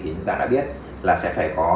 thì chúng ta đã biết là sẽ phải có